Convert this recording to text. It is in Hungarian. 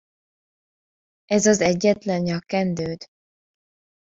Ez az egyetlen nyakkendőd?